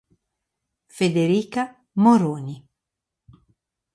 Federica Moroni